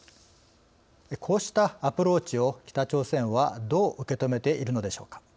こうしたアプローチを北朝鮮はどう受け止めているのでしょうか。